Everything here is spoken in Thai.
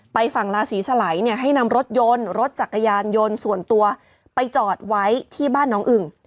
ฝั่งลาศรีสลัยเนี่ยให้นำรถยนต์รถจักรยานยนต์ส่วนตัวไปจอดไว้ที่บ้านน้องอึ่ง